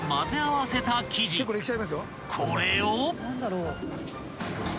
［これを］